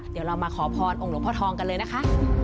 เดี๋ยวเรามาขอพรองค์หลวงพ่อทองกันเลยนะคะ